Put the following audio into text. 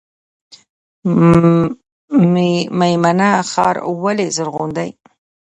میمنه ښار ولې زرغون دی؟